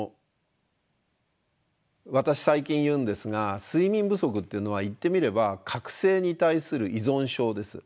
私最近言うんですが睡眠不足っていうのは言ってみれば覚醒に対する依存症です。